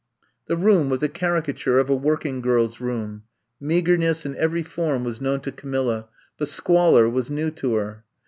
I'VE COMB TO STAY 151 The room was a caricature of a working girPs room. Meagemess in every form was known to Camilla, but squalor was new to her.